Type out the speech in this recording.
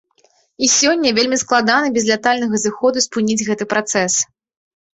І сёння вельмі складана без лятальнага зыходу спыніць гэты працэс.